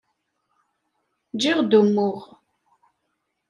Giɣ-d umuɣ.